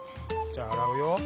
じゃああらうよ。